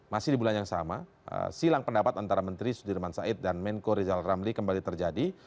masih di bulan yang sama silang pendapat antara menteri sudirman said dan menko rizal ramli kembali terjadi